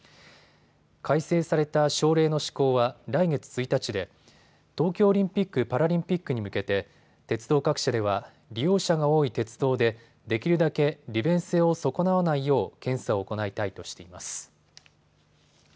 改正された省令の施行は来月１日で東京オリンピック・パラリンピックに向けて鉄道各社では利用者が多い鉄道でできるだけ利便性を損なわないよう検査を行いたいとしています。